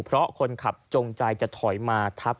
เพราะคนขับจงใจจะถอยมาทับ